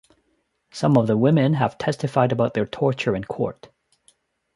Some of the women have testified about their torture in court.